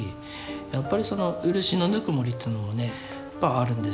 やっぱりその漆のぬくもりというのもねあるんですよね。